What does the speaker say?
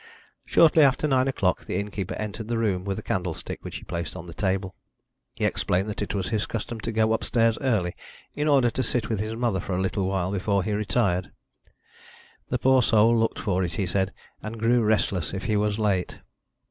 Shortly after nine o'clock the innkeeper entered the room with a candlestick, which he placed on the table. He explained that it was his custom to go upstairs early, in order to sit with his mother for a little while before he retired. The poor soul looked for it, he said, and grew restless if he was late.